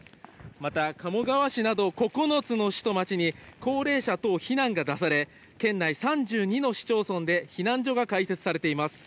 また鴨川市など９つの市と町に高齢者等避難が出され県内３２の市町村で避難所が開設されています。